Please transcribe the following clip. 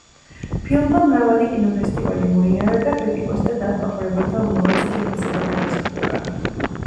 ფილმმა მრავალი კინოფესტივალი მოიარა და კრიტიკოსთა და მაყურებელთა უმაღლესი შეფასება დაიმსახურა.